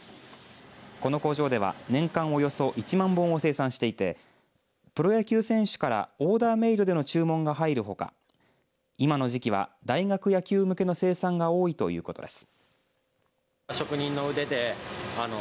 この工場では年間およそ１万本を生産していてプロ野球選手からオーダーメイドでの注文が入るほか今の時期は大学野球向けの生産が多いということです。